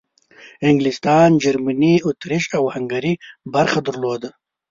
انګلستان، جرمني، اطریش او هنګري برخه درلوده.